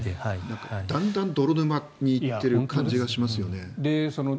だんだん泥沼に行っている感じがしますよね。